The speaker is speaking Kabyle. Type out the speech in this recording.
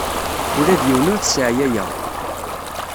Ula d yiwen ur t-sseɛyayeɣ.